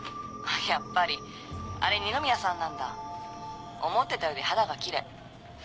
やっぱりあれ二宮さんなんだ思ってたより肌がキレイ。